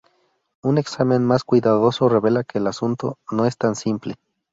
Un examen más cuidadoso revela que el asunto no es tan simple.